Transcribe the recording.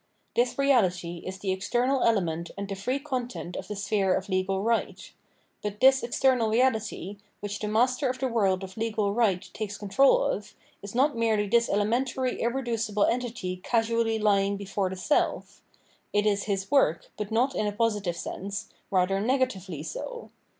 This reahty is the external element and the free content* of the sphere of legal right. But this external reahty, which the master of the world * V, p. 479 fr. 488 Sfirii in Belf estrangenieni 48d of legal right takes control of, is not merely this ele mentary irreducible entity casually lying before the self ; it is his work, but not in a positive sense, rather negatively so.